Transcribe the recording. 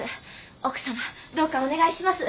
奥様どうかお願いします！